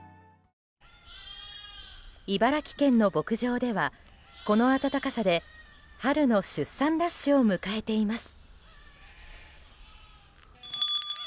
茨城県の牧場ではこの暖かさで春の出産ラッシュを迎えています。